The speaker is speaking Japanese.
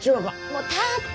もう立って！